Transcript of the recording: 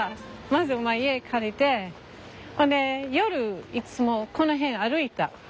まず家借りて夜いつもこの辺歩いた。